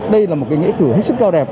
đây là một nghệ cử hết sức cao đẹp